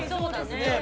ねえ。